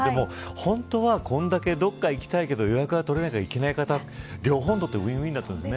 本当はこれだけどこかに行きたいけど予約が取れないから行けない方両方にとってウィンウィンでしたね。